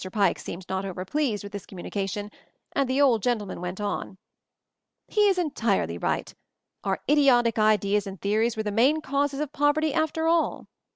Pike seemed not over pleased with this communication, and the old gentleman went on: "He is entirely right. Our idiotic ideas and theories were the main causes of pov erty after all.